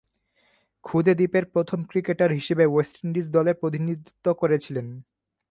ক্ষুদে দ্বীপের প্রথম ক্রিকেটার হিসেবে ওয়েস্ট ইন্ডিজ দলে প্রতিনিধিত্ব করেছিলেন।